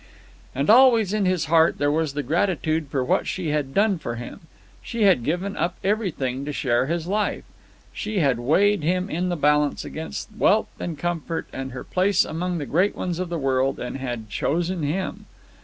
And always in his heart there was the gratitude for what she had done for him. She had given up everything to share his life. She had weighed him in the balance against wealth and comfort and her place among the great ones of the world, and had chosen him.